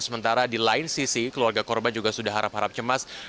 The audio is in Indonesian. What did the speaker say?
sementara di lain sisi keluarga korban juga sudah harap harap cemas